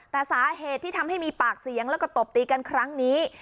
แต่สาเหตุที่ทำให้มีปากเสียงแล้วก็ตบตีกันครั้งนี้